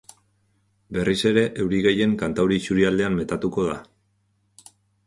Berriz ere euri gehien kantauri isurialdean metatuko da.